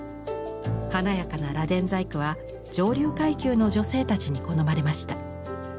華やかな螺鈿細工は上流階級の女性たちに好まれました。